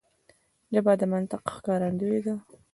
ژبه د منطق ښکارندوی ده